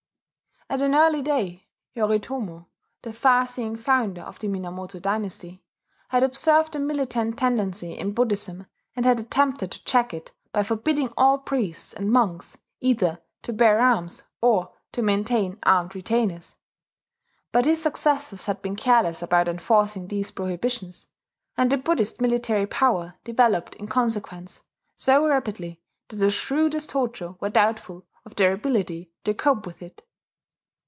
At an early day, Yoritomo, the far seeing founder of the Minamoto dynasty, had observed a militant tendency in Buddhism, and had attempted to check it by forbidding all priests and monks either to bear arms, or to maintain armed retainers. But his successors had been careless about enforcing these prohibitions; and the Buddhist military power developed in consequence so rapidly that the shrewdest Hojo were doubtful of their ability to cope with it.